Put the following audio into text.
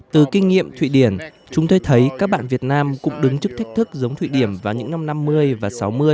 từ kinh nghiệm thụy điển chúng tôi thấy các bạn việt nam cũng đứng trước thách thức giống thụy điển vào những năm năm mươi và sáu mươi